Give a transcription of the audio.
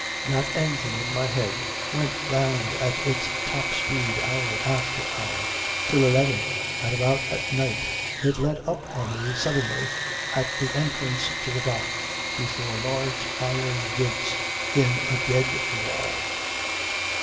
That engine in my head went round at its top speed hour after hour till eleven at about at night it let up on me suddenly at the entrance to the Dock before large iron gates in a dead wall."